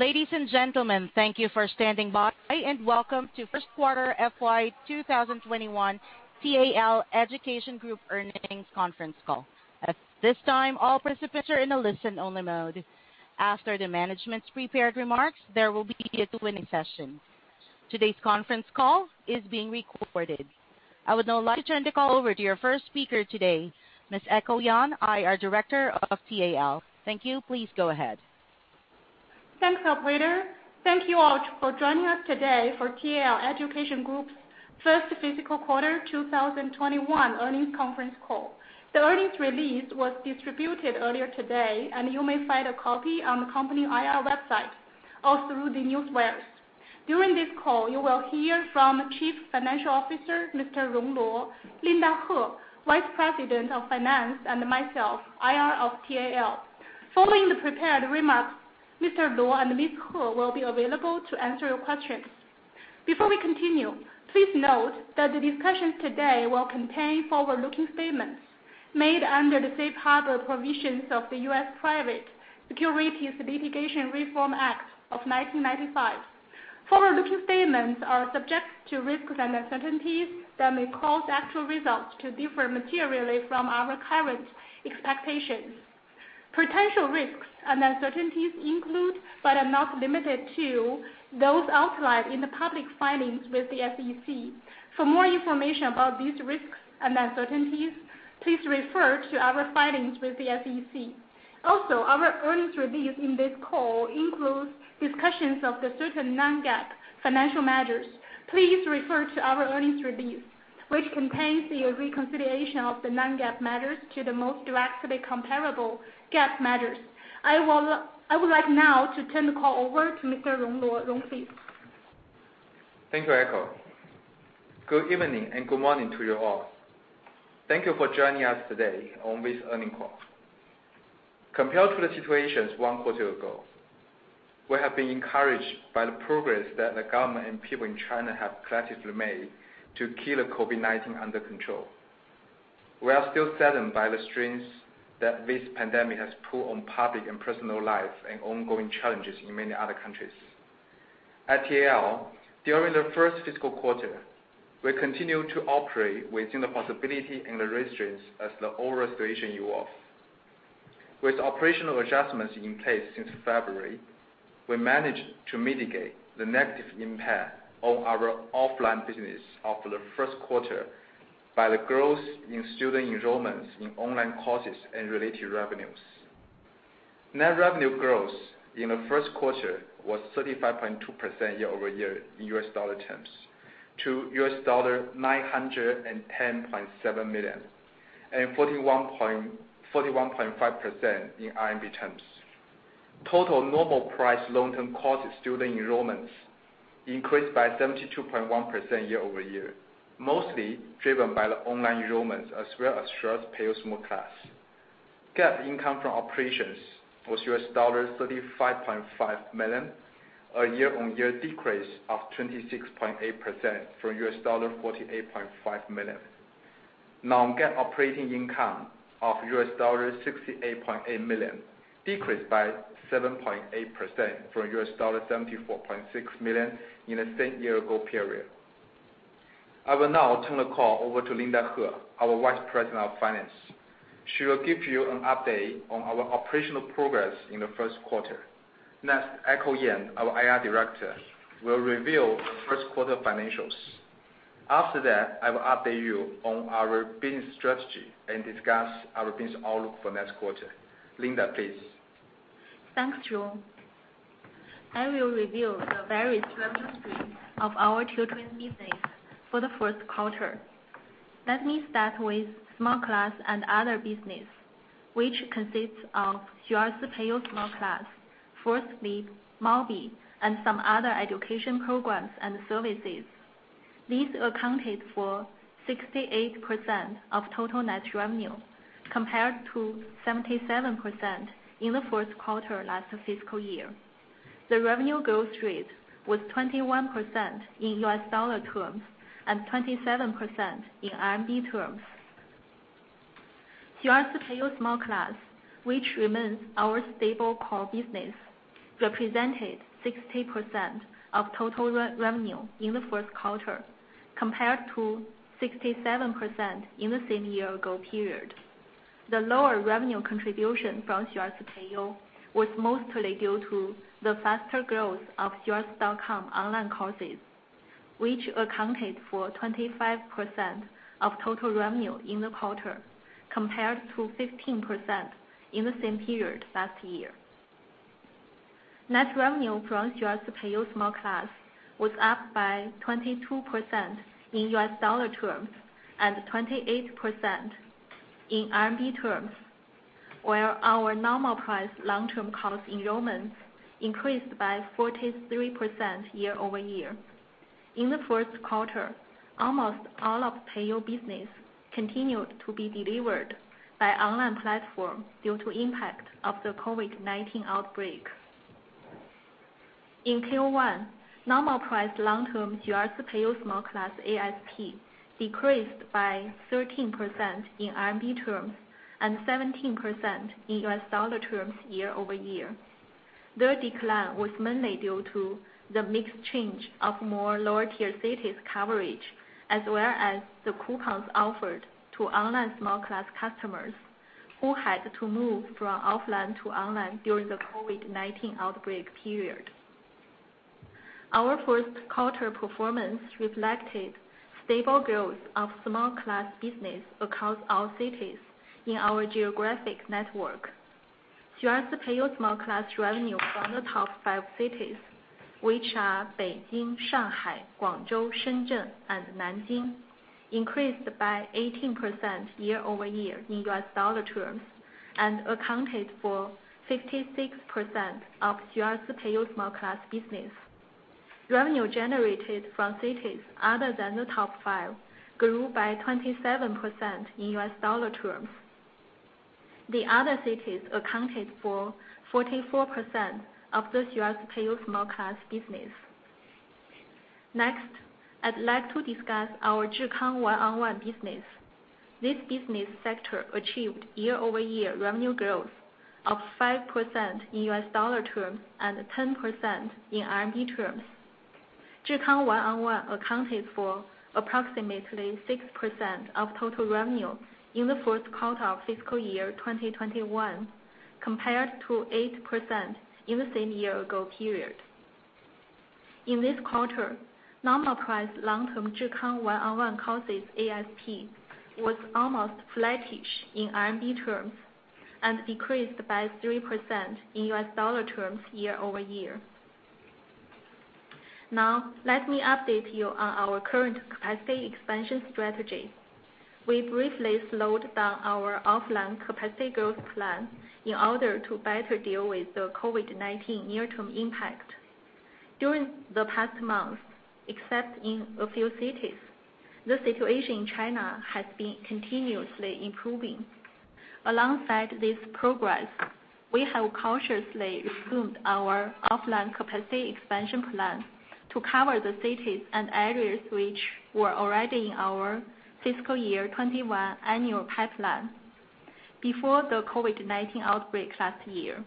Ladies and gentlemen, thank you for standing by, and welcome to First Quarter FY 2021 TAL Education Group Earnings Conference Call. At this time, all participants are in a listen-only mode. After the management's prepared remarks, there will be a Q&A session. Today's conference call is being recorded. I would now like to turn the call over to your first speaker today, Ms. Echo Yan, IR Director of TAL. Thank you. Please go ahead. Thanks, operator. Thank you all for joining us today for TAL Education Group's first fiscal quarter 2021 earnings conference call. The earnings release was distributed earlier today. You may find a copy on the company IR website or through the newswires. During this call, you will hear from Chief Financial Officer, Mr. Rong Luo, Linda Huo, Vice President of Finance, and myself, IR of TAL. Following the prepared remarks, Mr. Luo and Ms. Huo will be available to answer your questions. Before we continue, please note that the discussions today will contain forward-looking statements made under the Safe Harbor provisions of the U.S. Private Securities Litigation Reform Act of 1995. Forward-looking statements are subject to risks and uncertainties that may cause actual results to differ materially from our current expectations. Potential risks and uncertainties include, but are not limited to, those outlined in the public filings with the SEC. For more information about these risks and uncertainties, please refer to our filings with the SEC. Also, our earnings release in this call includes discussions of the certain non-GAAP financial measures. Please refer to our earnings release, which contains the reconciliation of the non-GAAP measures to the most directly comparable GAAP measures. I would like now to turn the call over to Mr. Rong Luo. Rong, please. Thank you, Echo. Good evening, and good morning to you all. Thank you for joining us today on this earnings call. Compared to the situations one quarter ago, we have been encouraged by the progress that the government and people in China have collectively made to keep the COVID-19 under control. We are still saddened by the strains that this pandemic has put on public and personal life, and ongoing challenges in many other countries. At TAL, during the first fiscal quarter, we continued to operate within the possibility and the restrictions as the overall situation evolved. With operational adjustments in place since February, we managed to mitigate the negative impact on our offline business of the first quarter by the growth in student enrollments in online courses and related revenues. Net revenue growth in the first quarter was 35.2% year-over-year in U.S. dollar terms to $910.7 million, and 41.5% in RMB terms. Total normal price long-term course student enrollments increased by 72.1% year-over-year, mostly driven by the online enrollments as well as Xueersi Peiyou Small Class. GAAP income from operations was $35.5 million, a year-on-year decrease of 26.8% from $48.5 million. non-GAAP operating income of $68.8 million, decreased by 7.8% from $74.6 million in the same year-ago period. I will now turn the call over to Linda Huo, our Vice President of Finance. She will give you an update on our operational progress in the first quarter. Next, Echo Yan, our IR Director, will reveal first quarter financials. After that, I will update you on our business strategy and discuss our business outlook for next quarter. Linda, please. Thanks, Rong. I will reveal the various revenue streams of our children business for the first quarter. Let me start with Small Class and other business, which consists of Xueersi Peiyou Small Class, First Leap, Mobby, and some other education programs and services. These accounted for 68% of total net revenue, compared to 77% in the fourth quarter last fiscal year. The revenue growth rate was 21% in U.S. dollar terms and 27% in RMB terms. Xueersi Peiyou Small Class, which remains our stable core business, represented 60% of total revenue in the first quarter, compared to 67% in the same year-ago period. The lower revenue contribution from Xueersi Peiyou was mostly due to the faster growth of xueersi.com online courses, which accounted for 25% of total revenue in the quarter, compared to 15% in the same period last year. Net revenue from Xueersi Peiyou Small Class was up by 22% in U.S. dollar terms and 28% in RMB terms, where our normal price long-term course enrollments increased by 43% year-over-year. In the first quarter, almost all of Peiyou business continued to be delivered by online platform due to impact of the COVID-19 outbreak. In Q1, normal price long-term Xueersi Peiyou Small Class ASP decreased by 13% in RMB terms and 17% in U.S. dollar terms year-over-year. The decline was mainly due to the mix change of more lower-tier cities coverage, as well as the coupons offered to online small class customers who had to move from offline to online during the COVID-19 outbreak period. Our first quarter performance reflected stable growth of small class business across all cities in our geographic network. Xueersi Peiyou Small Class revenue from the top five cities, which are Beijing, Shanghai, Guangzhou, Shenzhen, and Nanjing, increased by 18% year-over-year in U.S. dollar terms and accounted for 56% of Xueersi Peiyou Small Class business. Revenue generated from cities other than the top five grew by 27% in U.S. dollar terms. The other cities accounted for 44% of the Xueersi Peiyou Small Class business. Next, I'd like to discuss our Zhikang One-on-One business. This business sector achieved year-over-year revenue growth of 5% in U.S. dollar terms and 10% in RMB terms. Zhikang One-on-One accounted for approximately 6% of total revenue in the first quarter of fiscal year 2021, compared to 8% in the same year-ago period. In this quarter, normal price long-term Zhikang One-on-One courses ASP was almost flattish in RMB terms and decreased by 3% in U.S. dollar terms year-over-year. Now, let me update you on our current capacity expansion strategy. We briefly slowed down our offline capacity growth plan in order to better deal with the COVID-19 near-term impact. During the past months, except in a few cities, the situation in China has been continuously improving. Alongside this progress, we have cautiously resumed our offline capacity expansion plan to cover the cities and areas which were already in our fiscal year 2021 annual pipeline before the COVID-19 outbreak last year.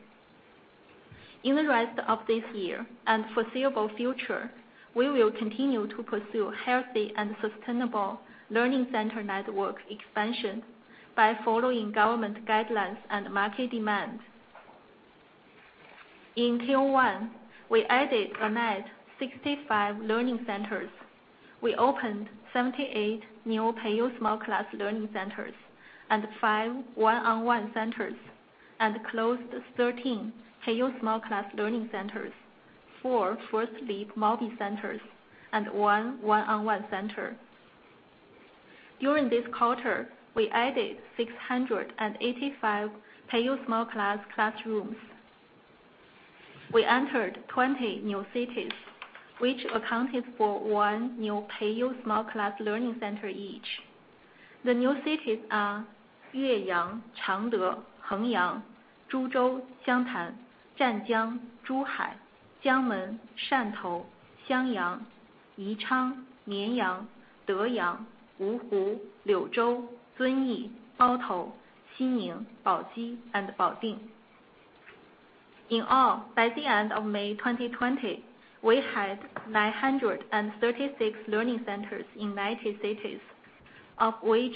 In the rest of this year and foreseeable future, we will continue to pursue healthy and sustainable learning center network expansion by following government guidelines and market demand. In Q1, we added a net 65 learning centers. We opened 78 new Peiyou Small Class learning centers and five One-on-One centers, and closed 13 Peiyou Small Class learning centers, four First Leap, Mobby centers, and one One-on-One center. During this quarter, we added 685 Peiyou Small Class classrooms. We entered 20 new cities, which accounted for one new Peiyou Small Class learning center each. The new cities are Yueyang, Changde, Hengyang, Zhuzhou, Xiangtan, Zhanjiang, Zhuhai, Jiangmen, Shantou, Xiangyang, Yichang, Nanyang, Deyang, Wuhu, Liuzhou, Zunyi, Maotai, Xining, Baoji, and Baoding. In all, by the end of May 2020, we had 936 learning centers in 90 cities, of which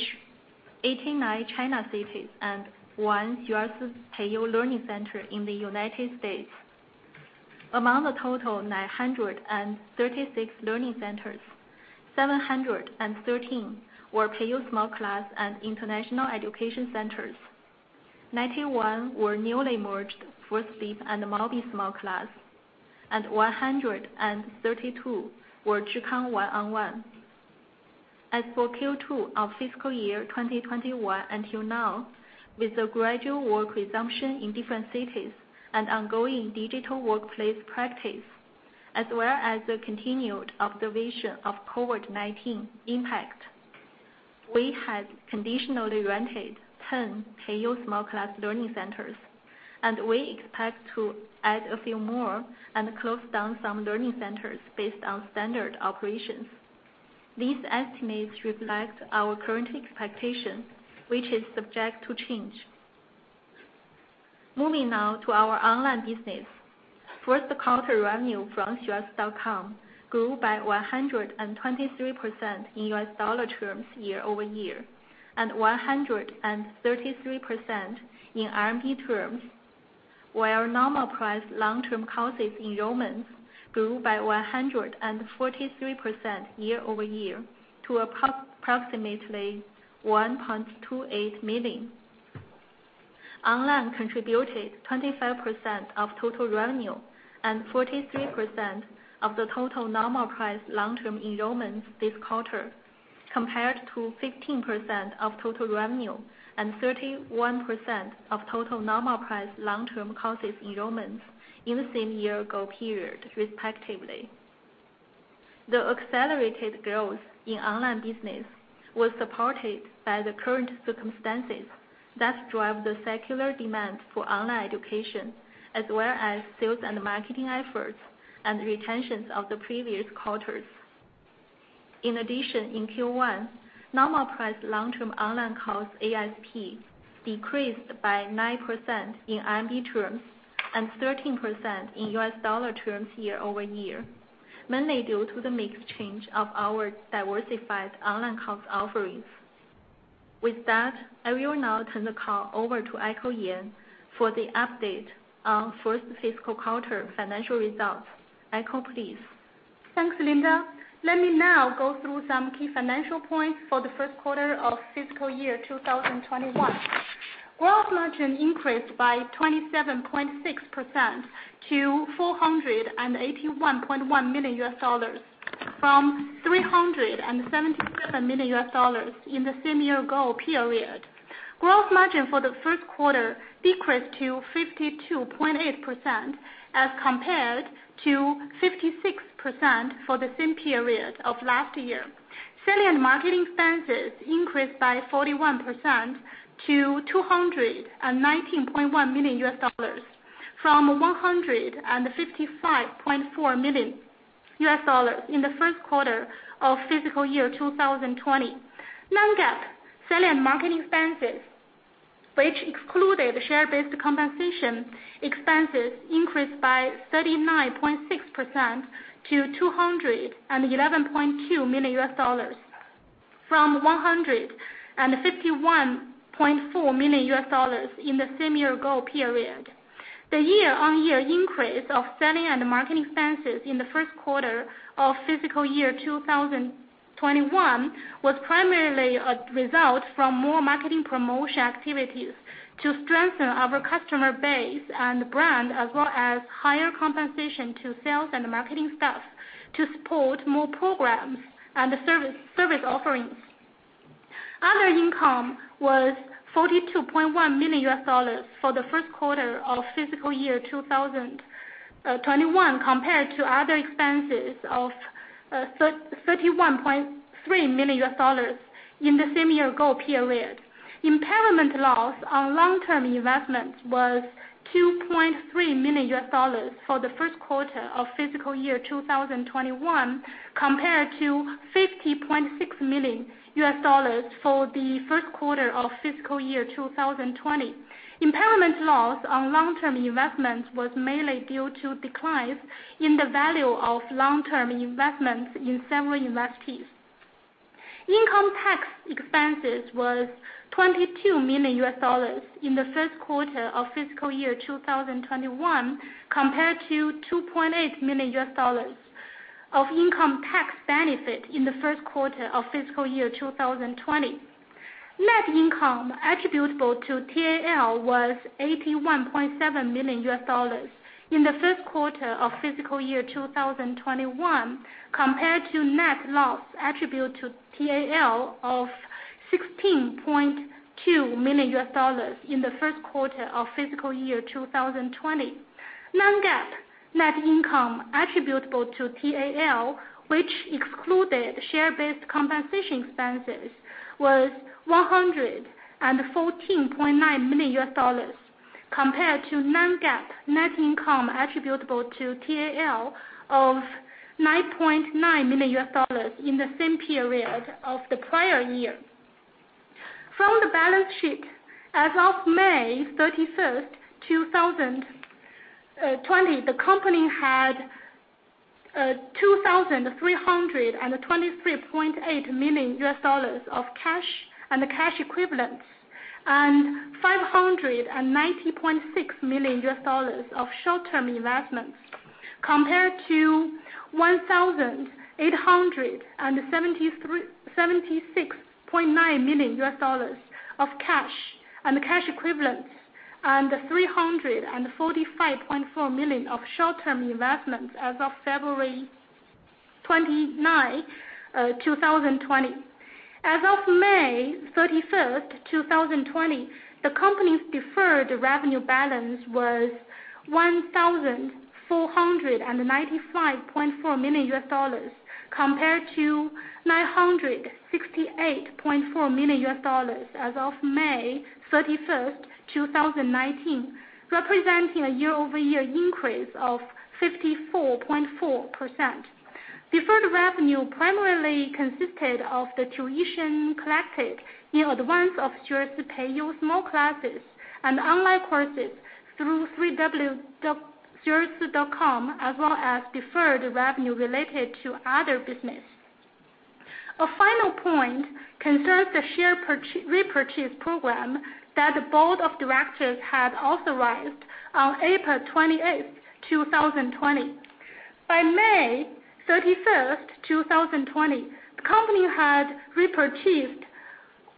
89 China cities and one Xueersi Peiyou learning center in the United States. Among the total 936 learning centers, 713 were Peiyou Small Class and international education centers, 91 were newly merged First Leap and Mobby Small Class, and 132 were Zhikang One-on-One. As for Q2 of fiscal year 2021 until now, with the gradual work resumption in different cities and ongoing digital workplace practice, as well as the continued observation of COVID-19 impact, we had conditionally rented 10 Peiyou Small Class learning centers, and we expect to add a few more and close down some learning centers based on standard operations. These estimates reflect our current expectation, which is subject to change. Moving now to our online business. First quarter revenue from xueersi.com grew by 123% in U.S. dollar terms year-over-year, and 133% in RMB terms, while normal price long-term courses enrollments grew by 143% year-over-year to approximately 1.28 million. Online contributed 25% of total revenue and 43% of the total normal price long-term enrollments this quarter, compared to 15% of total revenue and 31% of total normal price long-term courses enrollments in the same year-ago period, respectively. The accelerated growth in online business was supported by the current circumstances that drive the secular demand for online education, as well as sales and marketing efforts, and retentions of the previous quarters. In addition, in Q1, normal price long-term online course ASP decreased by 9% in RMB terms and 13% in U.S. dollar terms year-over-year, mainly due to the mix change of our diversified online course offerings. With that, I will now turn the call over to Echo Yan for the update on first fiscal quarter financial results. Echo, please. Thanks, Linda. Let me now go through some key financial points for the first quarter of fiscal year 2021. Gross margin increased by 27.6% to $481.1 million, from $377 million in the same year ago period. Gross margin for the first quarter decreased to 52.8% as compared to 56% for the same period of last year. Selling and marketing expenses increased by 41% to $219.1 million, from $155.4 million in the first quarter of fiscal year 2020. Non-GAAP, selling and marketing expenses, which excluded share-based compensation expenses, increased by 39.6% to $211.2 million, from $151.4 million in the same year ago period. The year-on-year increase of selling and marketing expenses in the first quarter of fiscal year 2021 was primarily a result from more marketing promotion activities to strengthen our customer base and brand, as well as higher compensation to sales and marketing staff to support more programs and service offerings. Other income was $42.1 million for the first quarter of fiscal year 2021, compared to other expenses of $31.3 million in the same year ago period. Impairment loss on long-term investments was $2.3 million for the first quarter of fiscal year 2021, compared to $50.6 million for the first quarter of fiscal year 2020. Impairment loss on long-term investments was mainly due to declines in the value of long-term investments in several investees. Income tax expenses was $22 million in the first quarter of fiscal year 2021, compared to $2.8 million of income tax benefit in the first quarter of fiscal year 2020. Net income attributable to TAL was $81.7 million in the first quarter of fiscal year 2021, compared to net loss attributed to TAL of $16.2 million in the first quarter of fiscal year 2020. Non-GAAP net income attributable to TAL, which excluded share-based compensation expenses, was $114.9 million, compared to non-GAAP net income attributable to TAL of $9.9 million in the same period of the prior year. From the balance sheet, as of May 31st, 2020, the company had $2,323.8 million of cash and cash equivalents, and $590.6 million of short-term investments, compared to $1,876.9 million of cash and cash equivalents, and $345.4 million of short-term investments as of February 29, 2020. As of May 31st, 2020, the company's deferred revenue balance was $1,495.4 million compared to $968.4 million as of May 31st, 2019, representing a year-over-year increase of 54.4%. Deferred revenue primarily consisted of the tuition collected in advance of Xueersi Peiyou's small classes and online courses through www.xueersi.com, as well as deferred revenue related to other business. A final point concerns the share repurchase program that the board of directors had authorized on April 28th, 2020. By May 31st, 2020, the company had repurchased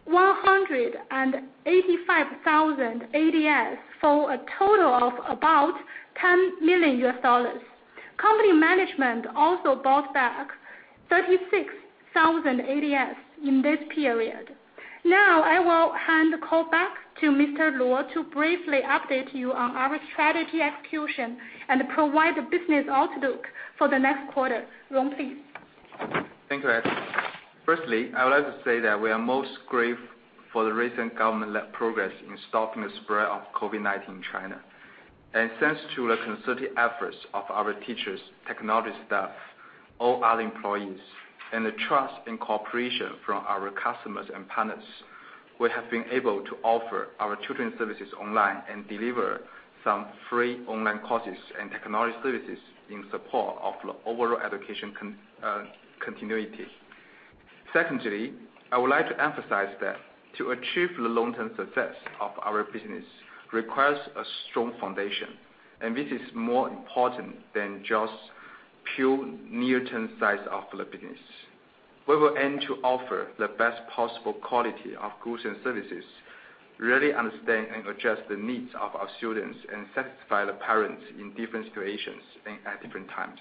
185,000 ADS for a total of about $10 million. Company management also bought back 36,000 ADS in this period. Now, I will hand the call back to Mr. Luo to briefly update you on our strategy execution and provide the business outlook for the next quarter. Luo, please. Thank you, Echo. Firstly, I would like to say that we are most grateful for the recent government progress in stopping the spread of COVID-19 in China. Thanks to the concerted efforts of our teachers, technology staff, all our employees, and the trust and cooperation from our customers and partners, we have been able to offer our tutoring services online and deliver some free online courses and technology services in support of the overall education continuity. Secondly, I would like to emphasize that to achieve the long-term success of our business requires a strong foundation, and this is more important than just pure near-term size of the business. We will aim to offer the best possible quality of goods and services, really understand and address the needs of our students, and satisfy the parents in different situations and at different times.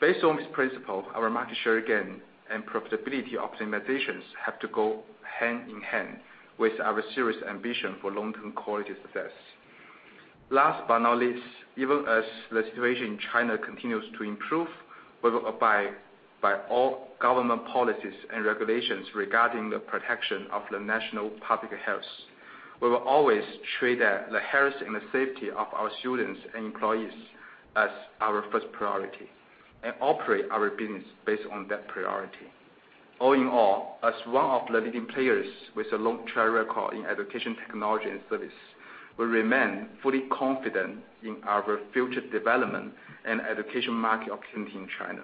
Based on this principle, our market share gain and profitability optimizations have to go hand in hand with our serious ambition for long-term quality success. Last but not least, even as the situation in China continues to improve, we will abide by all government policies and regulations regarding the protection of the national public health. We will always treat the health and the safety of our students and employees as our first priority and operate our business based on that priority. All in all, as one of the leading players with a long track record in education technology and service, we remain fully confident in our future development and education market opportunity in China.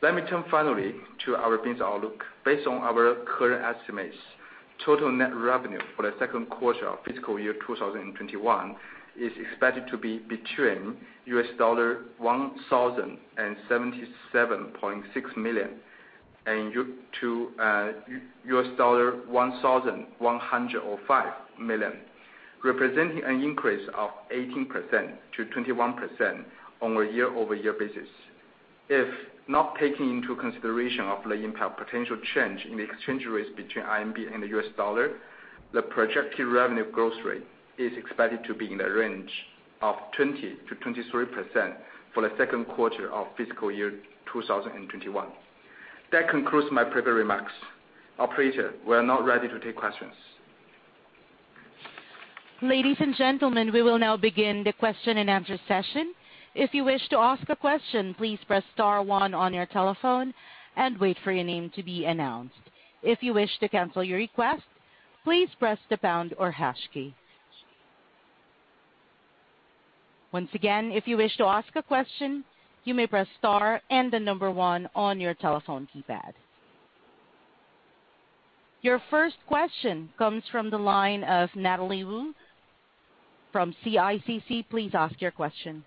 Let me turn finally to our business outlook. Based on our current estimates, total net revenue for the second quarter of fiscal year 2021 is expected to be between $1,077.6 million and $1,105 million, representing an increase of 18%-21% on a year-over-year basis. If not taking into consideration of the impact potential change in the exchange rates between RMB and the U.S. dollar, the projected revenue growth rate is expected to be in the range of 20%-23% for the second quarter of fiscal year 2021. That concludes my prepared remarks. Operator, we are now ready to take questions. Ladies and gentlemen, we will now begin the question and answer session. If you wish to ask a question, please press star one on your telephone and wait for your name to be announced. If you wish to cancel your request, please press the pound or hash key. Once again, if you wish to ask a question, you may press star and the number one on your telephone keypad. Your first question comes from the line of Natalie Wu from CICC. Please ask your question.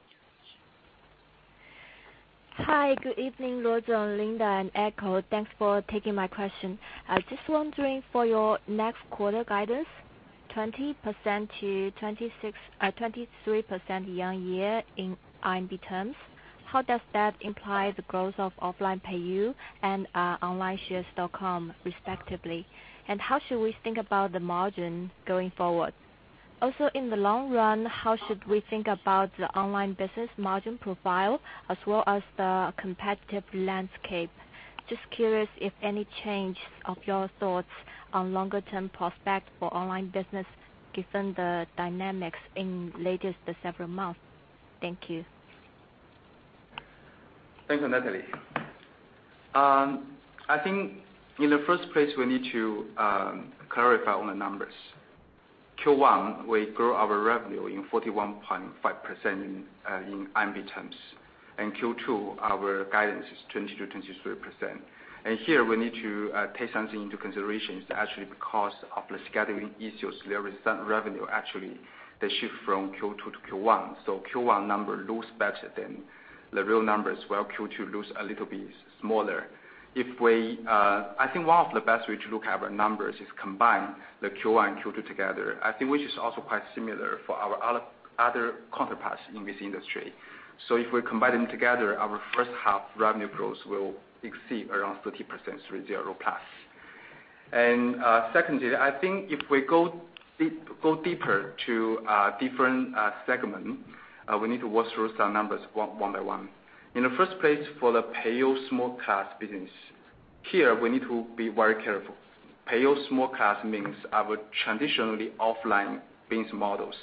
Hi. Good evening, Rong Luo, Linda, and Echo. Thanks for taking my question. Just wondering for your next quarter guidance, 20%-23% year-on-year in RMB terms, how does that imply the growth of offline Peiyou and online xueersi.com respectively? How should we think about the margin going forward? In the long run, how should we think about the online business margin profile as well as the competitive landscape? Just curious if any change of your thoughts on longer-term prospect for online business given the dynamics in latest several months. Thank you. Thank you, Natalie. I think in the first place, we need to clarify on the numbers. Q1, we grew our revenue in 41.5% in RMB terms, Q2, our guidance is 20%-23%. Here we need to take something into consideration. It's actually because of the scheduling issues, there is some revenue actually they shift from Q2 to Q1. Q1 number looks better than the real numbers, while Q2 looks a little bit smaller. I think one of the best way to look at our numbers is combine the Q1 and Q2 together, I think which is also quite similar for our other counterparts in this industry. If we combine them together, our first half revenue growth will exceed around 30%, 30%+. Secondly, I think if we go deeper to different segment, we need to walk through some numbers one by one. In the first place for the Peiyou Small Class business. Here, we need to be very careful. Peiyou Small Class means our traditionally offline business models.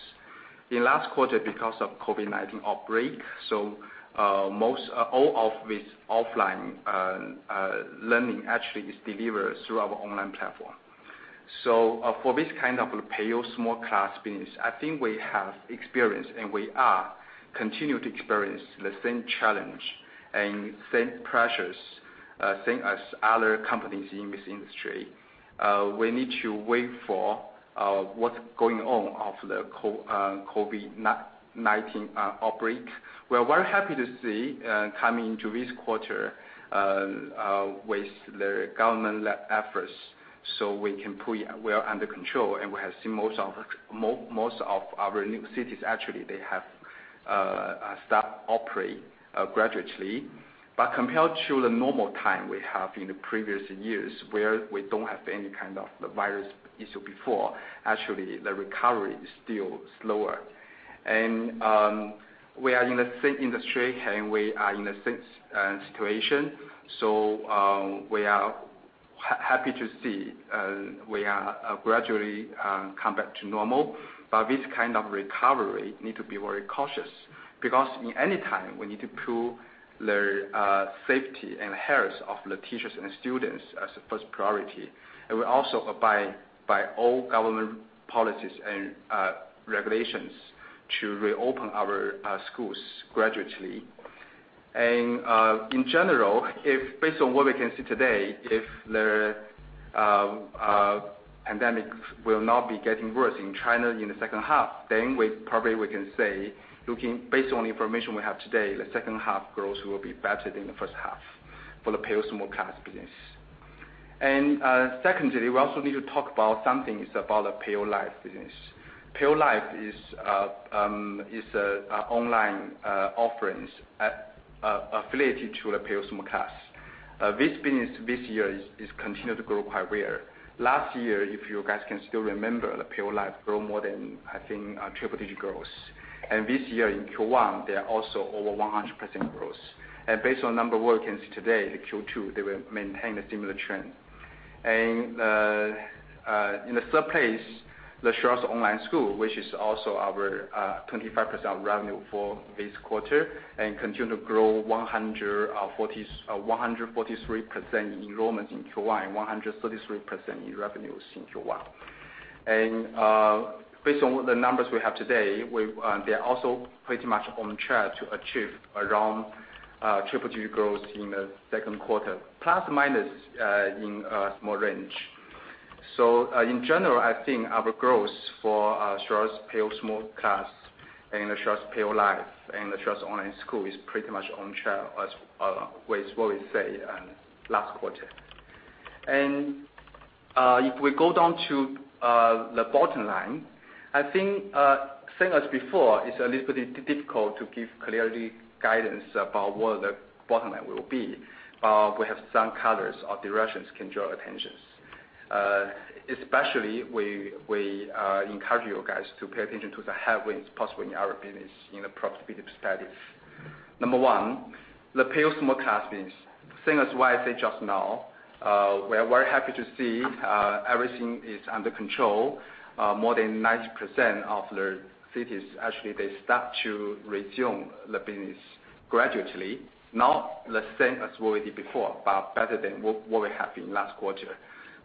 In last quarter, because of COVID-19 outbreak, all of this offline learning actually is delivered through our online platform. For this kind of Peiyou Small Class business, I think we have experience and we are continuing to experience the same challenge and same pressures, same as other companies in this industry. We need to wait for what's going on of the COVID-19 outbreak. We're very happy to see, coming into this quarter, with the government efforts, we can put well under control, and we have seen most of our new cities, actually, they have start operate gradually. Compared to the normal time we have in the previous years, where we don't have any kind of the virus issue before, actually, the recovery is still slower. We are in the same industry, and we are in the same situation. We are happy to see we are gradually come back to normal, but this kind of recovery need to be very cautious. Because in any time, we need to put the safety and health of the teachers and students as the first priority, and we also abide by all government policies and regulations to reopen our schools gradually. In general, based on what we can see today, if the pandemic will not be getting worse in China in the second half, then probably we can say, based on the information we have today, the second half growth will be better than the first half for the Peiyou Small Class business. Secondly, we also need to talk about something about the Peiyou Live business. Peiyou Live is a online offerings affiliated to the Peiyou Small Class. This business this year is continued to grow quite well. Last year, if you guys can still remember, the Peiyou Live grow more than I think triple-digit growth. This year in Q1, they are also over 100% growth. Based on number what we can see today, the Q2, they will maintain the similar trend. In the third place, the Xueersi Online School, which is also our 25% revenue for this quarter and continue to grow 143% in enrollments in Q1 and 133% in revenues in Q1. Based on the numbers we have today, they are also pretty much on track to achieve around triple-digit growth in the second quarter, plus or minus in a small range. In general, I think our growth for Xueersi Peiyou Small Class and the Xueersi Peiyou Live and the Xueersi Online School is pretty much on track as what we say last quarter. If we go down to the bottom line, I think same as before, it's a little bit difficult to give clear guidance about what the bottom line will be. We have some colors or directions can draw attention. We encourage you guys to pay attention to the headwinds possible in our business in the profitability studies. Number one, the Peiyou Small Class business. Same as what I say just now, we are very happy to see everything is under control. More than 90% of the cities, actually, they start to resume the business gradually. Not the same as what we did before, better than what we have in last quarter.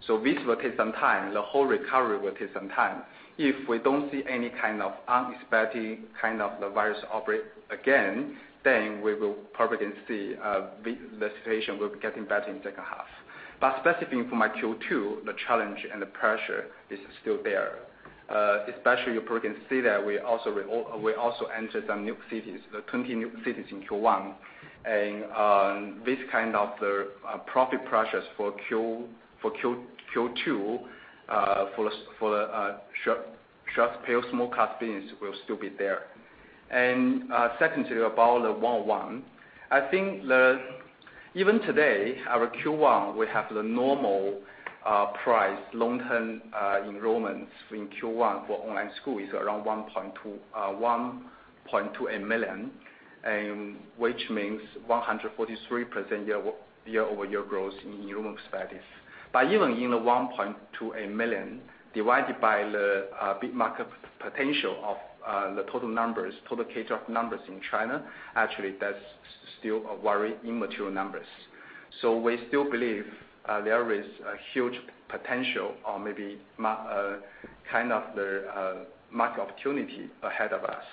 This will take some time. The whole recovery will take some time. If we don't see any kind of unexpected kind of the virus outbreak again, we will probably can see the situation will be getting better in second half. Specifically for my Q2, the challenge and the pressure is still there. Especially you probably can see that we also entered some new cities, 20 new cities in Q1. This kind of the profit pressures for Q2 for the Xueersi Peiyou Small Class business will still be there. Secondly, about the One-on-One. I think even today, our Q1, we have the normal price long-term enrollments in Q1 for Online School is around 1.28 million, which means 143% year-over-year growth in enrollment studies. Even in the 1.28 million divided by the big market potential of the total K-12 numbers in China, actually, that's still a very immature numbers. We still believe there is a huge potential or maybe kind of the market opportunity ahead of us.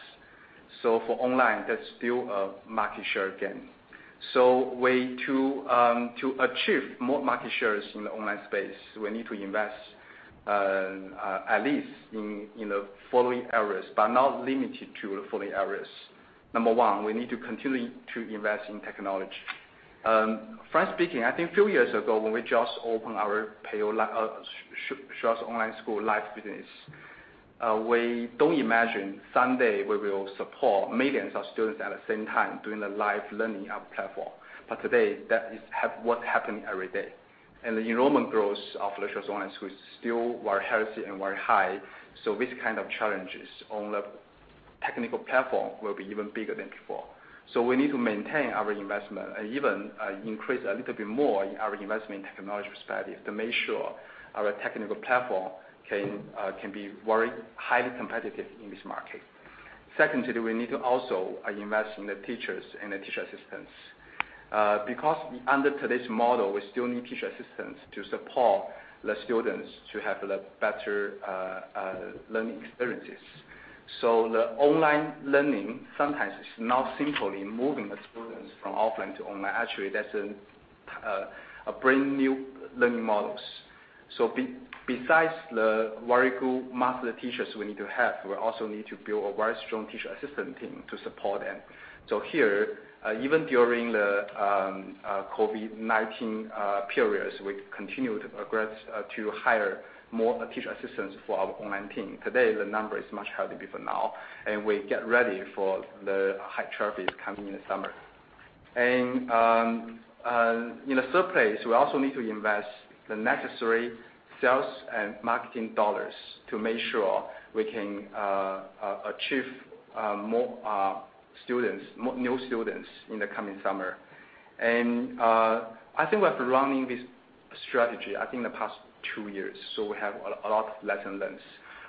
For online, that's still a market share gain. Way to achieve more market shares in the online space, we need to invest at least in the following areas, but not limited to the following areas. Number one, we need to continue to invest in technology. Frankly speaking, I think few years ago, when we just opened our Xueersi Online School live business, we don't imagine someday we will support millions of students at the same time doing the live learning platform. Today, that is what happen every day. The enrollment growth of the Xueersi Online School is still very healthy and very high. This kind of challenges on the technical platform will be even bigger than before. We need to maintain our investment and even increase a little bit more our investment in technology studies to make sure our technical platform can be very highly competitive in this market. Secondly, we need to also invest in the teachers and the teacher assistants. Under today's model, we still need teacher assistants to support the students to have the better learning experiences. The online learning sometimes is not simply moving the students from offline to online. Actually, that's a brand new learning models. Besides the very good master teachers we need to have, we also need to build a very strong teacher assistant team to support them. Here, even during the COVID-19 periods, we continued to progress to hire more teacher assistants for our online team. Today, the number is much higher than before now, and we get ready for the high traffic coming in the summer. In the third place, we also need to invest the necessary sales and marketing dollars to make sure we can achieve more new students in the coming summer. I think we have been running this strategy the past two years, so we have a lot of lessons learned.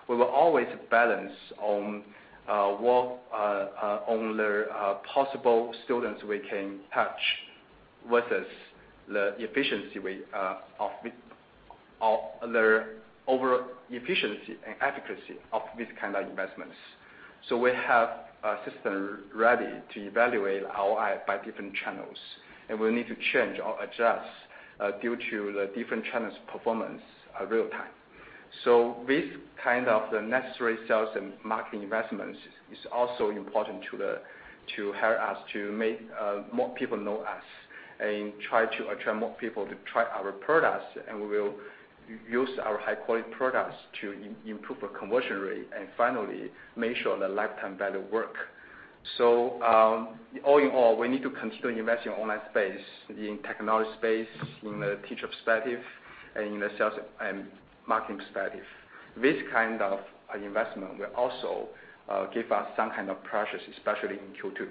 We will always balance on the possible students we can touch versus the efficiency of the overall efficiency and efficacy of these kind of investments. We have a system ready to evaluate ROI by different channels, and we need to change or adjust due to the different channels' performance real time. This kind of the necessary sales and marketing investments is also important to help us to make more people know us and try to attract more people to try our products. We will use our high-quality products to improve the conversion rate, and finally make sure the lifetime value work. All in all, we need to consider investing online space, in technology space, in the teacher perspective, and in the sales and marketing perspective. This kind of investment will also give us some kind of pressures, especially in Q2.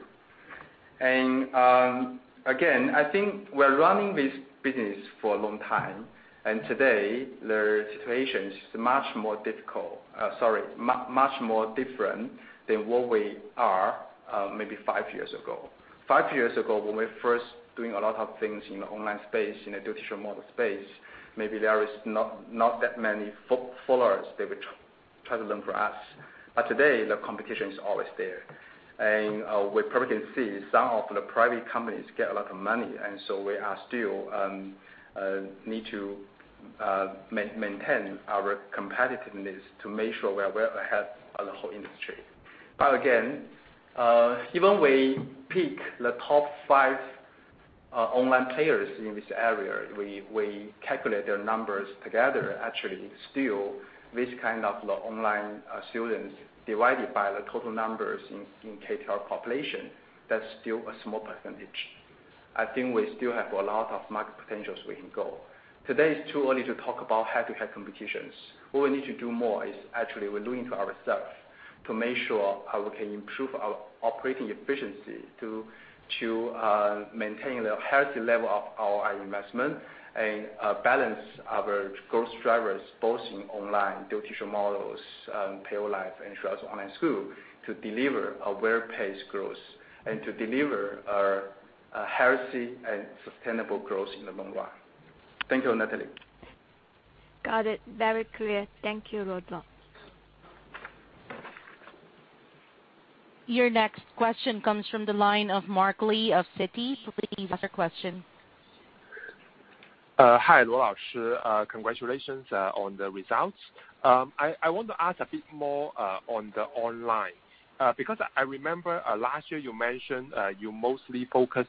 Again, I think we're running this business for a long time, and today, the situation is much more difficult, sorry, much more different than what we are, maybe five years ago. Five years ago, when we're first doing a lot of things in the online space, in a dual-teacher model space, maybe there is not that many followers that would try the learn from us. Today, the competition is always there. We probably can see some of the private companies get a lot of money, and so we are still need to maintain our competitiveness to make sure we are well ahead of the whole industry. Again, even we pick the top five online players in this area, we calculate their numbers together, actually, still, this kind of the online students divided by the total numbers in K-12 population, that's still a small percentage. I think we still have a lot of market potentials we can go. Today is too early to talk about head-to-head competitions. What we need to do more is actually we are doing to ourselves to make sure how we can improve our operating efficiency to maintain the healthy level of our investment and balance our growth drivers, both in online, dual-teacher models, TAL Live, and Xueersi Online School, to deliver a well-paced growth and to deliver a healthy and sustainable growth in the long run. Thank you, Natalie. Got it. Very clear. Thank you, Rong Luo. Your next question comes from the line of Mark Li of Citi. Please ask your question. Hi, Rong Luo. Congratulations on the results. I want to ask a bit more on the online. Because I remember, last year, you mentioned you mostly focus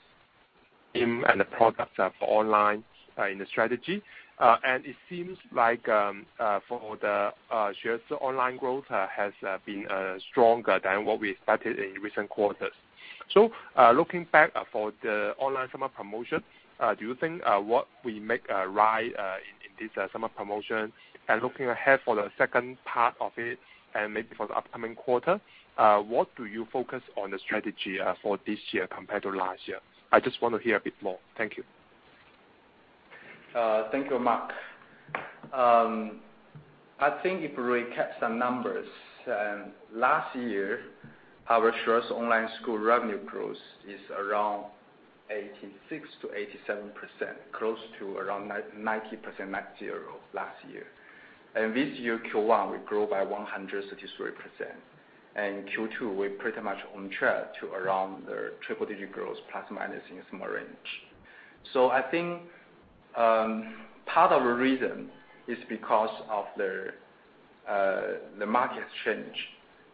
in the products of online in the strategy. It seems like for the Xueersi Online growth has been stronger than what we expected in recent quarters. Looking back for the online summer promotion, do you think what we make right in this summer promotion, and looking ahead for the second part of it, and maybe for the upcoming quarter, what do you focus on the strategy for this year compared to last year? I just want to hear a bit more. Thank you. Thank you, Mark. I think if we recap some numbers, last year, our Xueersi Online School revenue growth is around 86%-87%, close to around 90% net zero last year. This year, Q1, we grew by 133%. Q2, we're pretty much on track to around the triple-digit growth, ± in a small range. I think part of the reason is because of the market change.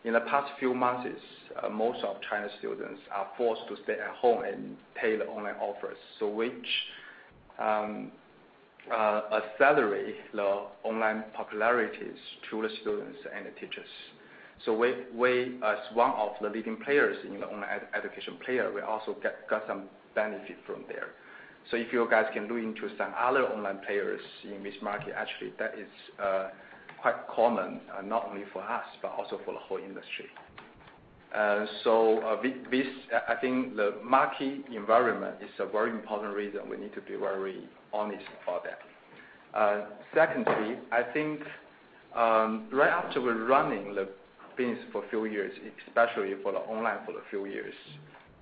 In the past few months, most of China students are forced to stay at home and pay the online offerings. Which accelerate the online popularity to the students and the teachers. We, as one of the leading players in the online education player, we also got some benefit from there. If you guys can do into some other online players in this market, actually, that is quite common, not only for us, but also for the whole industry. This, I think, the market environment is a very important reason we need to be very honest about that. Secondly, I think, right after we're running the business for a few years, especially for the online for a few years,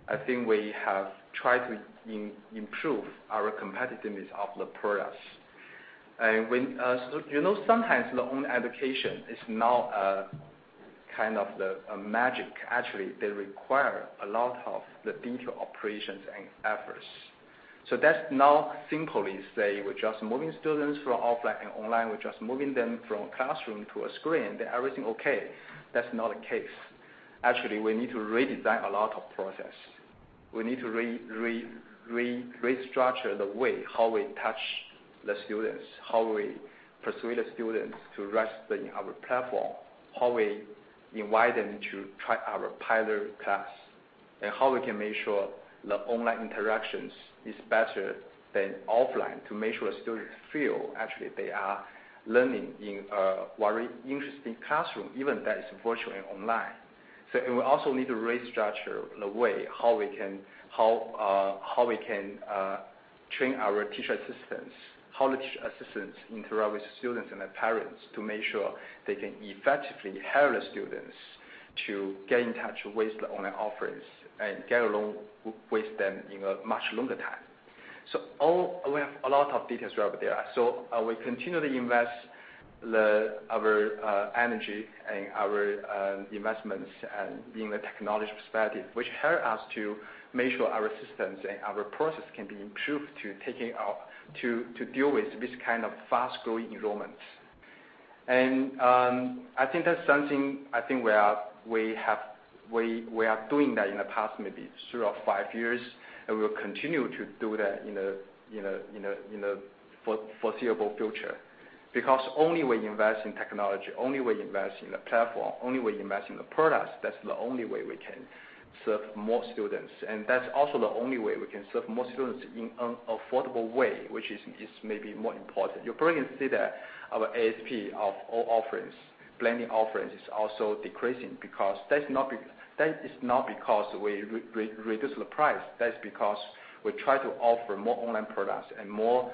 I think we have tried to improve our competitiveness of the products. You know, sometimes the online education is not a kind of the magic. Actually, they require a lot of the detail, operations, and efforts. That's not simply say we're just moving students from offline and online. We're just moving them from a classroom to a screen, then everything okay. That's not the case. Actually, we need to redesign a lot of process. We need to restructure the way how we touch the students. How we persuade the students to rest in our platform, how we invite them to try our pilot class, and how we can make sure the online interactions is better than offline to make sure students feel actually they are learning in a very interesting classroom, even that is virtually online. We also need to restructure the way, how we can train our teacher assistants, how the teacher assistants interact with students and their parents to make sure they can effectively help the students to get in touch with the online offerings and get along with them in a much longer time. We have a lot of details over there. We continually invest our energy and our investments in the technology perspective, which help us to make sure our systems and our process can be improved to deal with this kind of fast-growing enrollments. I think that's something we are doing that in the past, maybe three or five years, and we will continue to do that in the foreseeable future. Only we invest in technology, only we invest in the platform, only we invest in the products, that's the only way we can serve more students. That's also the only way we can serve more students in an affordable way, which is maybe more important. You probably can see that our ASP of all offerings, blending offerings, is also decreasing. That is not because we reduce the price. That's because we try to offer more online products and more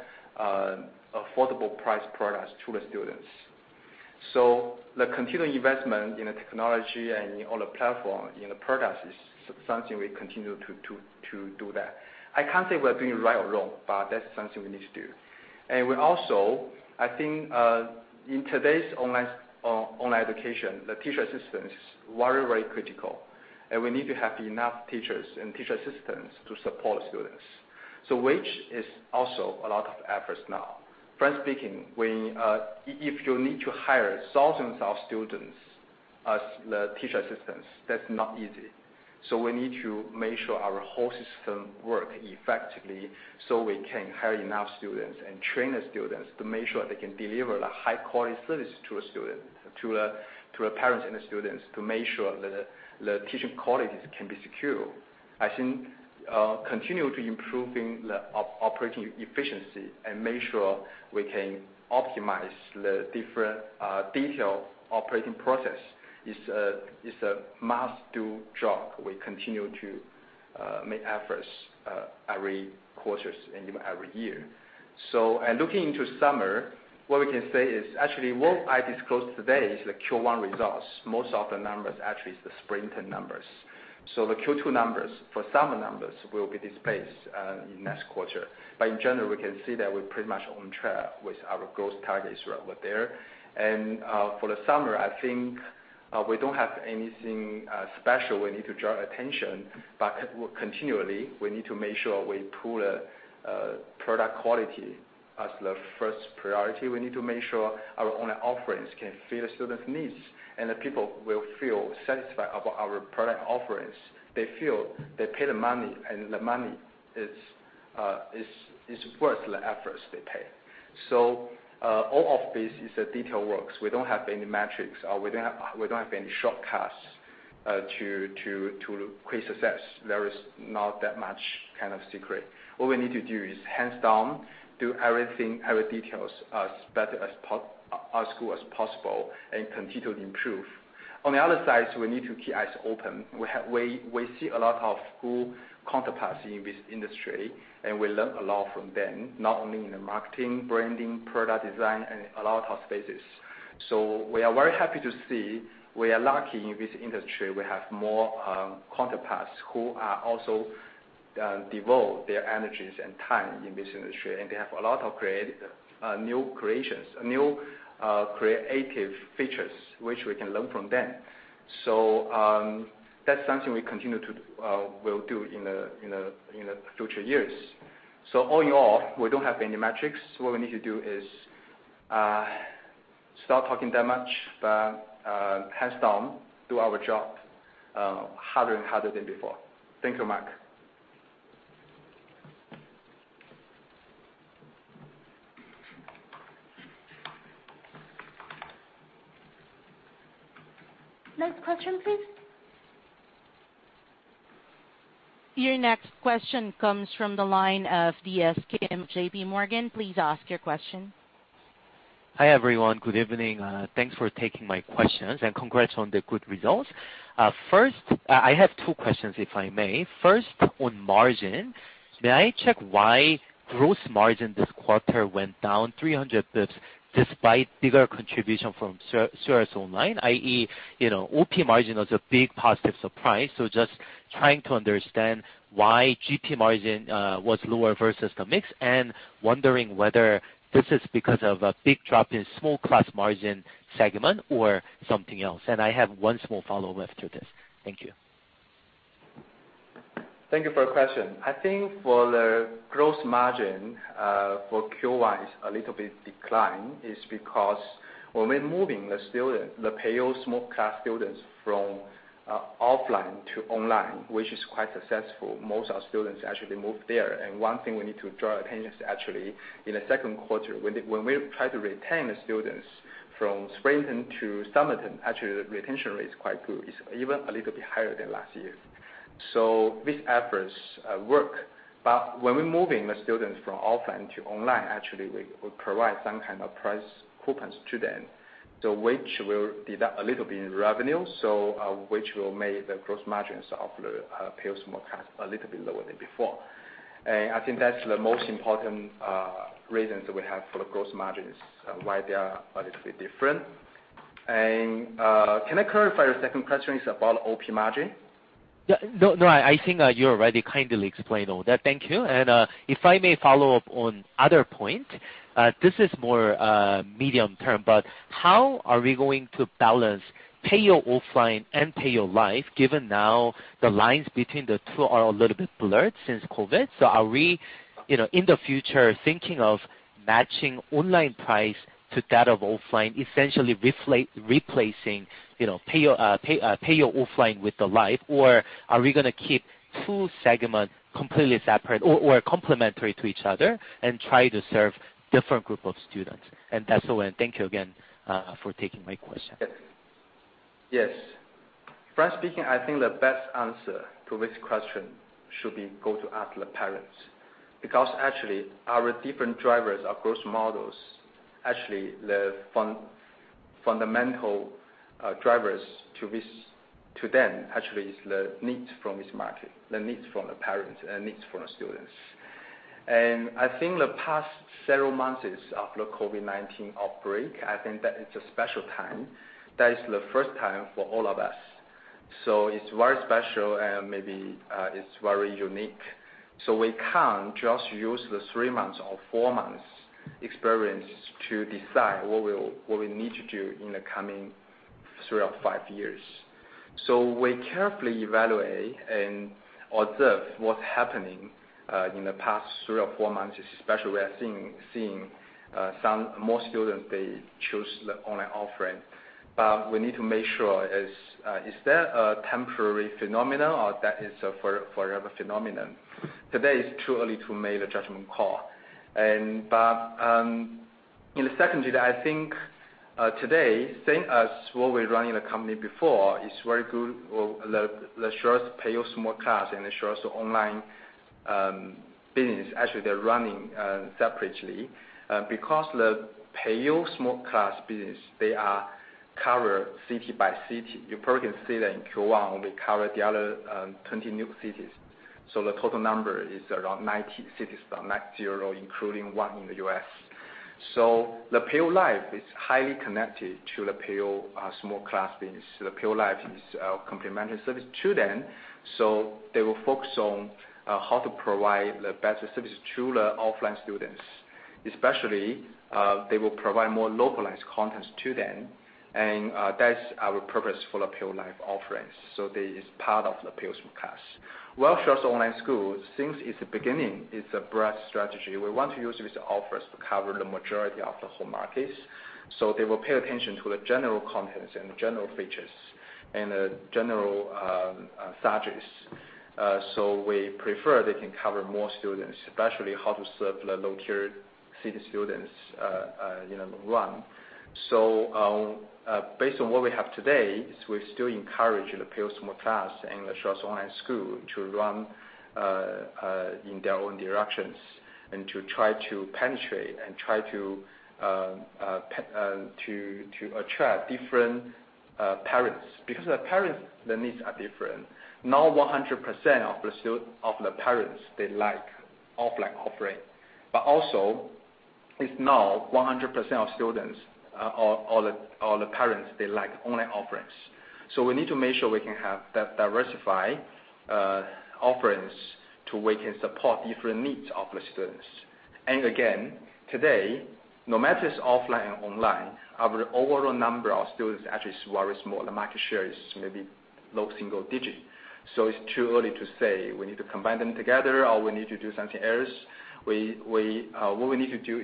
affordable price products to the students. The continuing investment in the technology and in all the platform, in the products, is something we continue to do that. I can't say we're doing right or wrong, but that's something we need to do. We also, I think, in today's online education, the teacher assistant is very critical, and we need to have enough teachers and teacher assistants to support students. Which is also a lot of efforts now. Frankly speaking, if you need to hire thousands of students as the teacher assistants, that's not easy. We need to make sure our whole system work effectively, so we can hire enough students and train the students to make sure they can deliver the high-quality service to the parents and the students to make sure that the teaching qualities can be secure. I think, continue to improving the operating efficiency and make sure we can optimize the different detailed operating process is a must-do job. We continue to make efforts every quarters and even every year. Looking into summer, what we can say is, actually, what I disclosed today is the Q1 results. Most of the numbers actually is the spring term numbers. The Q2 numbers for summer numbers will be displayed in next quarter. In general, we can see that we're pretty much on track with our growth targets right over there. For the summer, I think we don't have anything special we need to draw attention, but continually, we need to make sure we pull product quality as the first priority. We need to make sure our online offerings can fill the student's needs, and that people will feel satisfied about our product offerings. They feel they pay the money, and the money is worth the efforts they pay. All of this is the detail works. We don't have any metrics, or we don't have any shortcuts, to create success. There is not that much kind of secret. All we need to do is hands down, do everything, every details as good as possible, and continue to improve. On the other side, we need to keep eyes open. We see a lot of school counterparts in this industry, and we learn a lot from them, not only in the marketing, branding, product design, and a lot of spaces. We are very happy to see we are lucky in this industry. We have more counterparts who also devote their energies and time in this industry, and they have a lot of new creative features, which we can learn from them. That's something we'll do in the future years. All in all, we don't have any metrics. What we need to do is stop talking that much, but hands down, do our job harder and harder than before. Thank you, Mark. Next question, please. Your next question comes from the line of DS Kim, JPMorgan. Please ask your question. Hi, everyone. Good evening. Thanks for taking my questions and congrats on the good results. First, I have two questions, if I may. First, on margin, may I check why gross margin this quarter went down 300 basis points despite bigger contribution from Xueersi Online, i.e., OP margin was a big positive surprise, just trying to understand why GP margin was lower versus the mix, and wondering whether this is because of a big drop in Small Class margin segment or something else. I have one small follow-up after this. Thank you. Thank you for your question. I think for the gross margin for Q1 is a little bit decline is because when we're moving the Peiyou Small Class students from offline to online, which is quite successful, most our students actually moved there. One thing we need to draw attention is actually in the second quarter, when we try to retain the students from spring term to summer term, actually, the retention rate is quite good. It's even a little bit higher than last year. These efforts work. When we're moving the students from offline to online, actually, we provide some kind of price coupons to them, so which will deduct a little bit in revenue, so which will make the gross margins of the Peiyou Small Class a little bit lower than before. I think that's the most important reasons that we have for the gross margins, why they are a little bit different. Can I clarify, your second question is about OP margin? Yeah. No, I think you already kindly explained all that. Thank you. If I may follow up on other point, this is more medium term, how are we going to balance Peiyou offline and Peiyou Live, given now the lines between the two are a little bit blurred since COVID? Are we, in the future, thinking of matching online price to that of offline, essentially replacing Peiyou offline with the Live? Are we going to keep two segment completely separate or complementary to each other and try to serve different group of students? That's all. Thank you again for taking my question. Yes. Frankly speaking, I think the best answer to this question should be go to ask the parents. Actually, our different drivers, our growth models, actually, the fundamental drivers to them actually is the needs from this market, the needs from the parents, and needs from the students. I think the past several months of the COVID-19 outbreak, I think that it's a special time. That is the first time for all of us. It's very special and maybe it's very unique. We can't just use the three months or four months experience to decide what we need to do in the coming three or five years. We carefully evaluate and observe what's happening in the past three or four months, especially we are seeing more students, they choose the online offering. We need to make sure, is that a temporary phenomenon or that is a forever phenomenon? Today is too early to make the judgment call. In the second quarter, I think today, same as what we run in the company before, it's very good. The Xueersi Peiyou Small Class and the Xueersi Online School business, actually, they're running separately. The Peiyou Small Class business, they are covered city by city. You probably can see that in Q1, we covered the other 20 new cities. The total number is around 90 cities, around 90, including one in the U.S. The Peiyou Live is highly connected to the Peiyou Small Class business. The Peiyou Live is our complementary service to them, so they will focus on how to provide the better service to the offline students. Especially, they will provide more localized content to them, and that's our purpose for the Peiyou Live offerings. That is part of the Peiyou Small Class. While Xueersi Online School, since it's beginning, it's a broad strategy. We want to use this offers to cover the majority of the whole markets. They will pay attention to the general contents and general features and the general subjects. We prefer they can cover more students, especially how to serve the lower tier city students in the long run. Based on what we have today, we still encourage the Peiyou Small Class and the Xueersi Online School to run in their own directions and to try to penetrate and try to attract different parents, because the parents, the needs are different. Not 100% of the parents, they like offline offering, but also it's not 100% of students or the parents they like online offerings. We need to make sure we can have that diversified offerings to we can support different needs of the students. Again, today, no matter it's offline or online, our overall number of students actually is very small. The market share is maybe low single digit. It's too early to say we need to combine them together or we need to do something else. What we need to do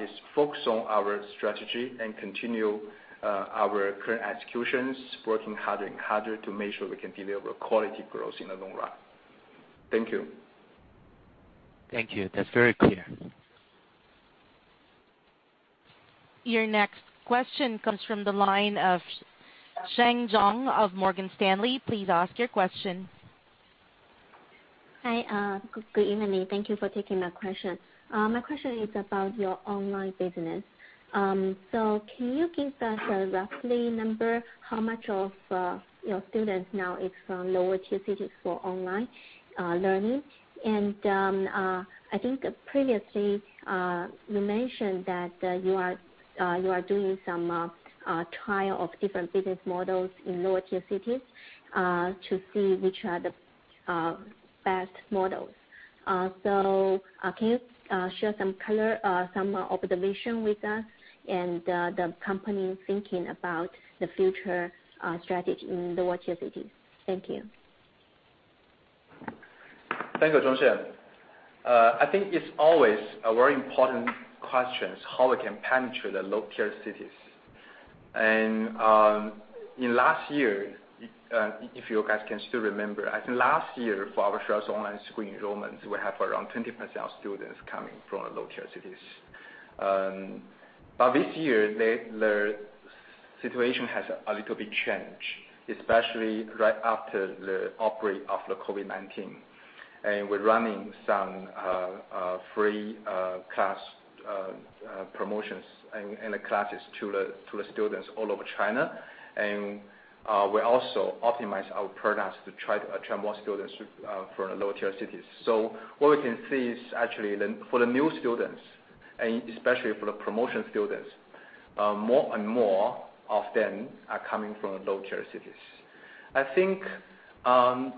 is focus on our strategy and continue our current executions, working harder and harder to make sure we can deliver quality growth in the long run. Thank you. Thank you. That's very clear. Your next question comes from the line of Sheng Zhong of Morgan Stanley. Please ask your question. Hi, good evening. Thank you for taking my question. My question is about your online business. Can you give us a roughly number how much of your students now is from lower tier cities for online learning? I think previously you mentioned that you are doing some trial of different business models in lower tier cities to see which are the best models. Can you share some color, some observation with us, and the company thinking about the future strategy in the lower tier cities? Thank you. Thank you, Zhong Sheng. I think it's always a very important question, how we can penetrate the lower tier cities. In last year, if you guys can still remember, I think last year for our Xueersi Online School enrollments, we have around 20% of students coming from the lower tier cities. This year, the situation has a little bit change, especially right after the outbreak of the COVID-19. We're running some free class promotions and classes to the students all over China. We also optimize our products to try to attract more students from the lower tier cities. What we can see is actually then for the new students, and especially for the promotion students, more and more of them are coming from the lower tier cities. I think,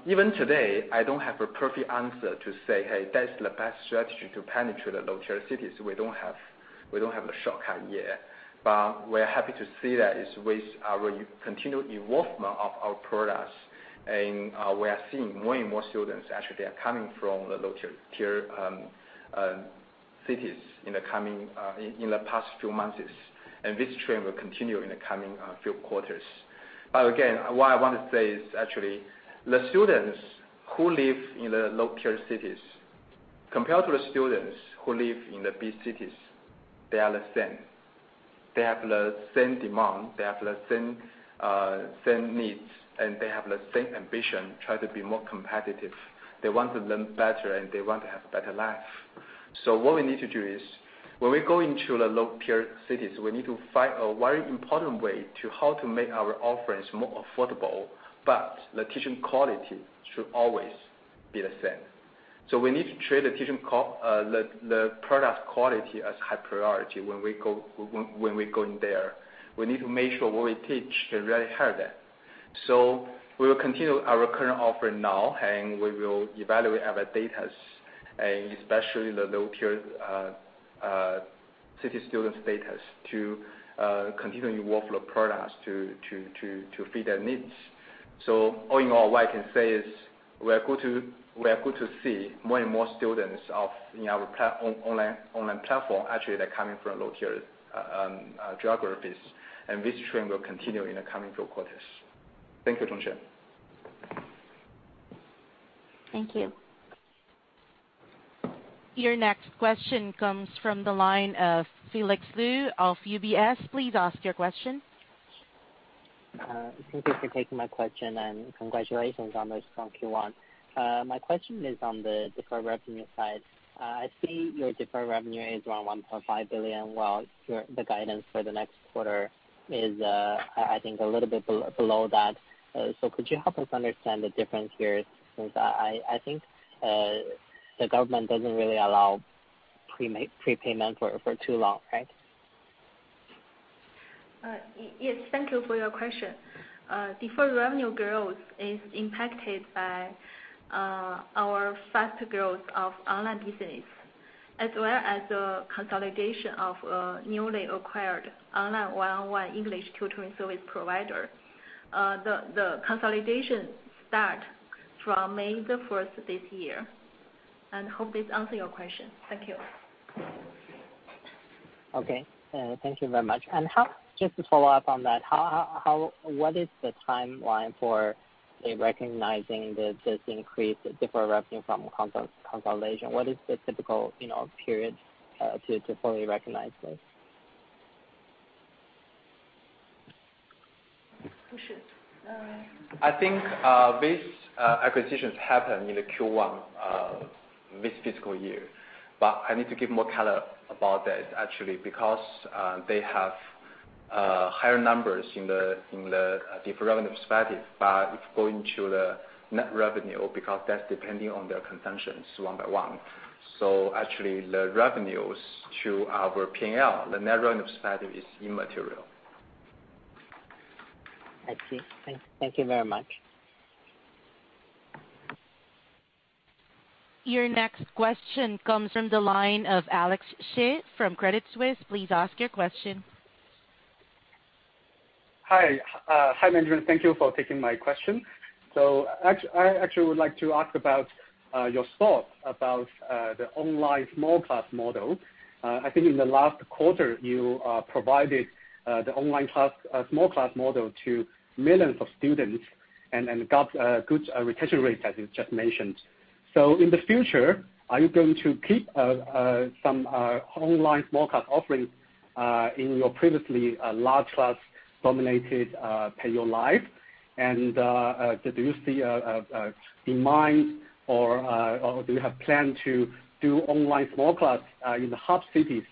even today, I don't have a perfect answer to say, "Hey, that's the best strategy to penetrate the lower tier cities." We don't have a shortcut yet. We're happy to see that with our continued involvement of our products, and we are seeing more and more students actually are coming from the lower tier cities in the past few months. This trend will continue in the coming few quarters. Again, what I want to say is actually, the students who live in the lower tier cities, compared to the students who live in the big cities, they are the same. They have the same demand, they have the same needs, and they have the same ambition, try to be more competitive. They want to learn better, and they want to have better life. What we need to do is, when we go into the lower-tier cities, we need to find a very important way to how to make our offerings more affordable, but the teaching quality should always be the same. We need to treat the product quality as high priority when we go in there. We need to make sure what we teach, they really heard that. We will continue our current offer now, and we will evaluate our data, and especially the lower-tier city students' data to continue to evolve our products to fit their needs. All in all, what I can say is we are good to see more and more students in our online platform, actually they're coming from lower-tier geographies, and this trend will continue in the coming four quarters. Thank you, Zhong Sheng. Thank you. Your next question comes from the line of Felix Liu of UBS. Please ask your question. Thank you for taking my question, and congratulations on the strong Q1. My question is on the deferred revenue side. I see your deferred revenue is around $1.5 billion, while the guidance for the next quarter is, I think, a little bit below that. Could you help us understand the difference here, since I think the government doesn't really allow prepayment for too long, right? Yes. Thank you for your question. Deferred revenue growth is impacted by our faster growth of online business, as well as the consolidation of a newly acquired online One-on-One English tutoring service provider. The consolidation start from May the first this year, hope this answer your question. Thank you. Okay. Thank you very much. Just to follow up on that, what is the timeline for recognizing this increased deferred revenue from consolidation? What is the typical period to fully recognize this? Who should? I think these acquisitions happen in the Q1 this fiscal year. I need to give more color about that, actually, because they have higher numbers in the deferred revenue perspective, but it's going to the net revenue because that's depending on their consumptions one by one. Actually, the revenues to our P&L, the net revenue perspective is immaterial. I see. Thank you very much. Your next question comes from the line of Alex Xie from Credit Suisse. Please ask your question. Hi. Hi, Rong Luo. Thank you for taking my question. I actually would like to ask about your thoughts about the online Small Class model. I think in the last quarter, you provided the online Small Class model to millions of students and got good retention rates, as you just mentioned. In the future, are you going to keep some online Small Class offerings in your previously large class dominated Peiyou Live? Did you see a demand or do you have plan to do online Small Class in the hub cities,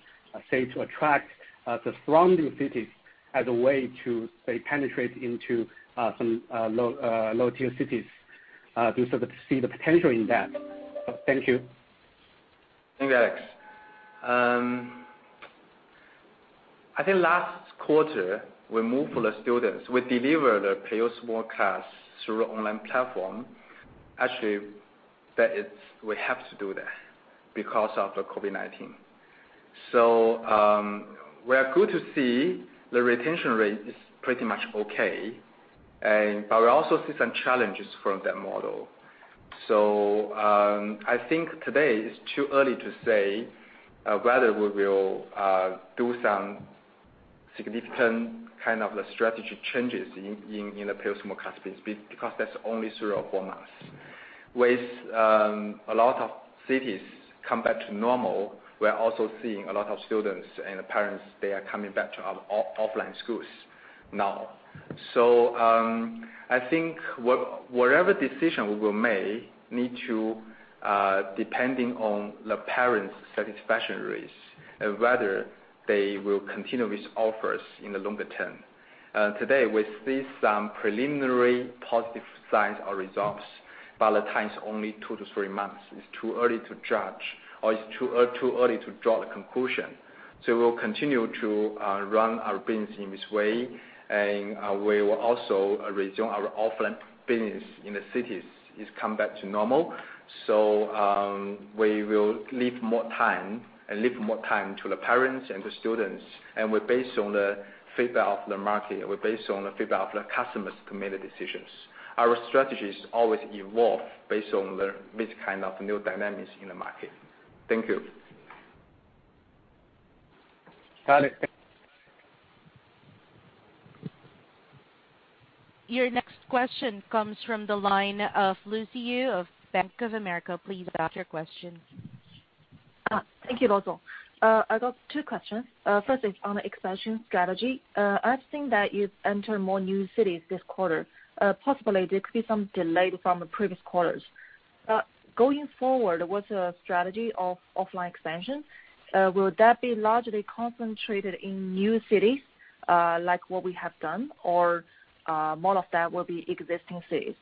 say, to attract the surrounding cities as a way to, say, penetrate into some lower tier cities? Do you sort of see the potential in that? Thank you. Thanks, Alex. I think last quarter, we moved for the students. We delivered the Peiyou Small Class through our online platform. Actually, we have to do that because of the COVID-19. We are good to see the retention rate is pretty much okay. We also see some challenges from that model. I think today is too early to say whether we will do some significant kind of the strategy changes in the Peiyou Small Class business, because that's only through four months. With a lot of cities come back to normal, we are also seeing a lot of students and the parents, they are coming back to our offline schools now. I think whatever decision we will make need to depending on the parents' satisfaction rates, whether they will continue with us in the longer term. Today, we see some preliminary positive signs or results, but the time is only two to three months. It's too early to judge, or it's too early to draw the conclusion. We will continue to run our business in this way, and we will also resume our offline business in the cities. It's come back to normal. We will leave more time to the parents and the students, and we're based on the feedback of the market, and we're based on the feedback of the customers to make the decisions. Our strategies always evolve based on this kind of new dynamics in the market. Thank you. Got it. Thank you. Your next question comes from the line of Lucy Yu of Bank of America. Please ask your question. Thank you, Rong Luo. I got two questions. First is on expansion strategy. I've seen that you've entered more new cities this quarter. Possibly there could be some delay from the previous quarters. Going forward, what's the strategy of offline expansion? Will that be largely concentrated in new cities, like what we have done or more of that will be existing cities?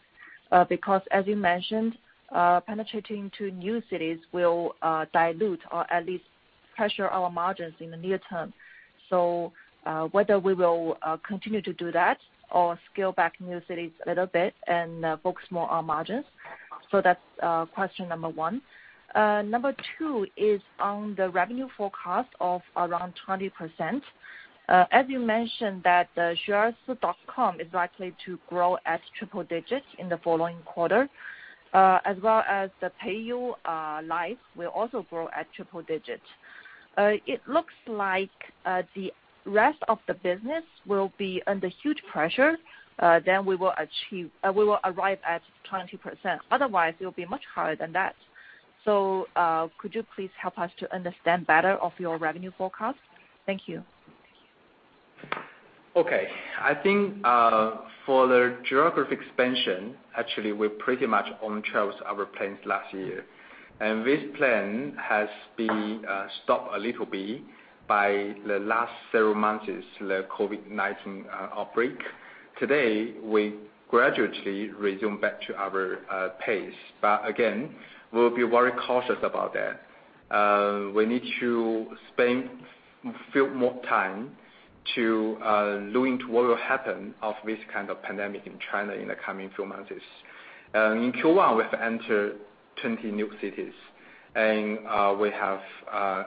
As you mentioned, penetrating to new cities will dilute or at least pressure our margins in the near term. Whether we will continue to do that or scale back new cities a little bit and focus more on margins. That's question number one. Number two is on the revenue forecast of around 20%. As you mentioned, that the xueersi.com is likely to grow at triple digits in the following quarter, as well as the Peiyou Live will also grow at triple digits. It looks like the rest of the business will be under huge pressure, then we will arrive at 20%. Otherwise, it will be much higher than that. Could you please help us to understand better of your revenue forecast? Thank you. Okay. I think, for the geographic expansion, actually, we're pretty much on track with our plans last year. This plan has been stopped a little bit by the last several months' COVID-19 outbreak. Today, we gradually resume back to our pace. Again, we'll be very cautious about that. We need to spend few more time to look into what will happen of this kind of pandemic in China in the coming few months. In Q1, we have entered 20 new cities, and we have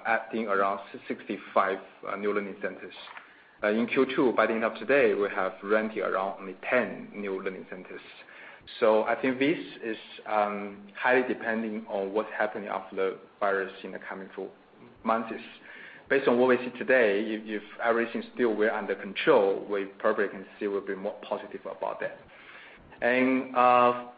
adding around 65 new learning centers. In Q2, by the end of today, we have rented around only 10 new learning centers. I think this is highly depending on what's happening of the virus in the coming four months. Based on what we see today, if everything still were under control, we probably can say we'll be more positive about that. Around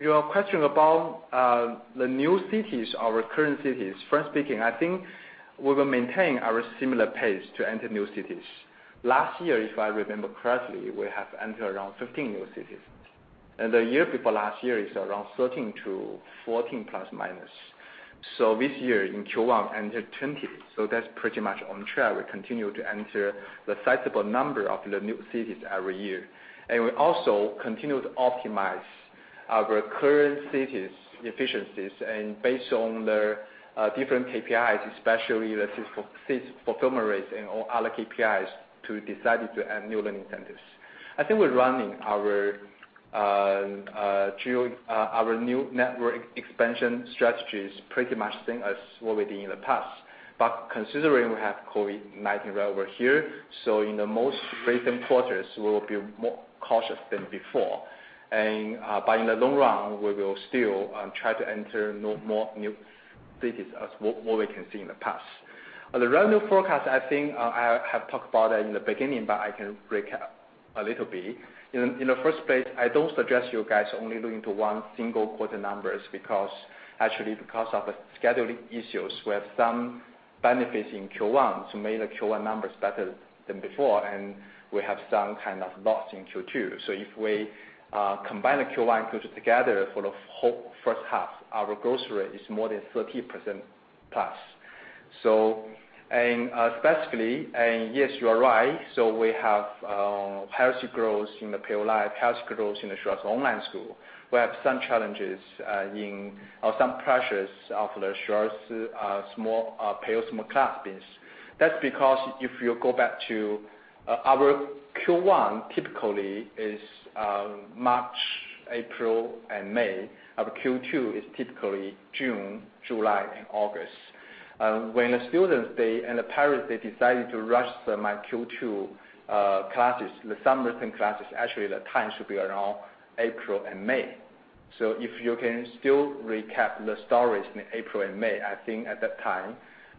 your question about the new cities or current cities, first speaking, I think we will maintain our similar pace to enter new cities. Last year, if I remember correctly, we have entered around 15 new cities. The year before last year is around 13-14±. This year in Q1, entered 20. That's pretty much on track. We continue to enter the sizable number of the new cities every year. We also continue to optimize our current cities' efficiencies, and based on the different KPIs, especially the seat fulfillment rates and all other KPIs to decide to add new learning centers. I think we're running our new network expansion strategies pretty much same as what we did in the past. Considering we have COVID-19 right over here, so in the most recent quarters, we will be more cautious than before. In the long run, we will still try to enter more new cities as what we can see in the past. The revenue forecast, I think I have talked about it in the beginning, but I can recap a little bit. In the first place, I don't suggest you guys only look into one single quarter numbers, because actually because of scheduling issues, we have some benefits in Q1, so made the Q1 numbers better than before, and we have some kind of loss in Q2. If we combine the Q1 and Q2 together for the whole first half, our growth rate is more than 30%+. Specifically, yes, you are right, we have higher growth in the Peiyou Live, higher growth in the Xueersi Online School. We have some challenges or some pressures of the Xueersi Peiyou Small Class business. That's because if you go back to our Q1 typically is March, April, and May, our Q2 is typically June, July, and August. When the students and the parents, they decided to register my Q2 classes, the summer term classes, actually, the time should be around April and May. If you can still recap the stories in April and May, I think at that time,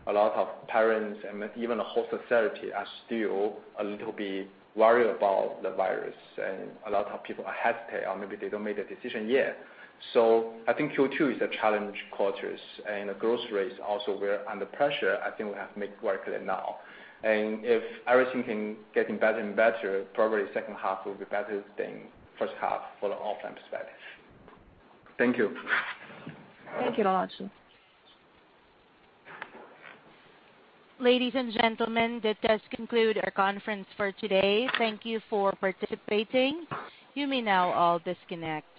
a lot of parents and even the whole society are still a little bit worried about the virus, and a lot of people hesitate, or maybe they don't make a decision yet. I think Q2 is a challenge quarters, and growth rates also were under pressure. I think we have made work of it now. If everything can get better and better, probably second half will be better than first half for the offline perspective. Thank you. Thank you, Rong Luo. Ladies and gentlemen, that does conclude our conference for today. Thank you for participating. You may now all disconnect.